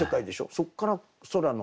そっから空の。